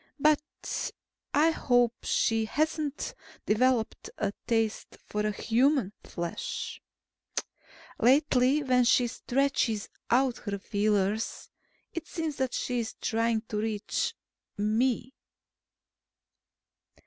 But I hope she hasn't developed a taste for human flesh. Lately, when she stretches out her feelers, it seems that she's trying to reach me.